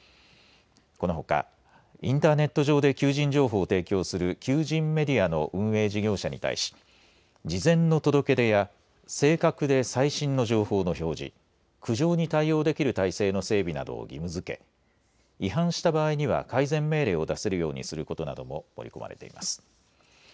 このほかインターネット上で求人情報を提供する求人メディアの運営事業者に対し事前の届け出や正確で最新の情報の表示、苦情に対応できる体制の整備などを義務づけ、違反した場合には改善命令を出せるようにすることなども盛り込まれています。